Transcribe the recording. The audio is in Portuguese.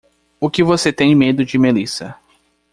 O que você tem medo de Melissa?